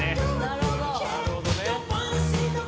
なるほど。